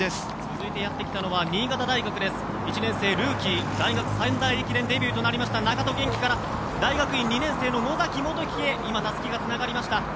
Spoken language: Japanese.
続いて、新潟大学１年生、ルーキー大学三大駅伝デビューとなった中戸元貴から大学院２年生の野崎元貴へたすきがつながりました。